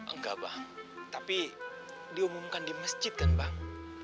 enggak bang tapi diumumkan di masjid kan bang